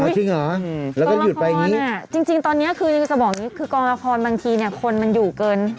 อ๋อจริงเหรอแล้วก็หยุดไปอย่างนี้กองละครจริงตอนนี้คืออย่างที่จะบอกนี้คือกองละครบางทีคนมันอยู่เกิน